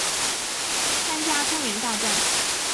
参加中原大战。